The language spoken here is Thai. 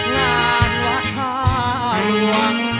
งานหวังทาหลวง